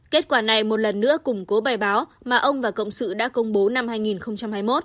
kết quả này một lần nữa củng cố bài báo mà ông và cộng sự đã công bố năm hai nghìn hai mươi một